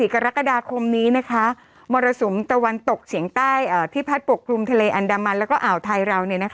๙๑๔กรกฎาคมมรสุมตะวันตกเฉียงใต้ที่พัดปกครุมทะเลอันดามันและอ่าวไทย